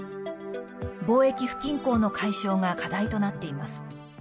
貿易不均衡の解消が課題となっています。